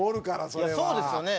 そうですよね。